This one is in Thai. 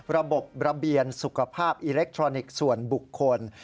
ระบบระเบียนสุขภาพอิเล็กทรอนิกส์ส่วนบุคคล